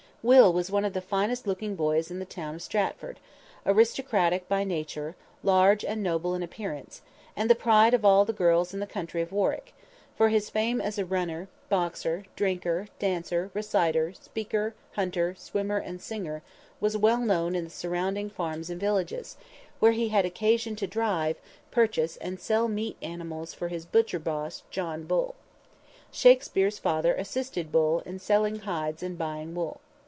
Will was one of the finest looking boys in the town of Stratford, aristocratic by nature, large and noble in appearance, and the pride of all the girls in the county of Warwick; for his fame as a runner, boxer, drinker, dancer, reciter, speaker, hunter, swimmer and singer was well known in the surrounding farms and villages, where he had occasion to drive, purchase and sell meat animals for his butcher boss, John Bull. Shakspere's father assisted Bull in selling hides and buying wool.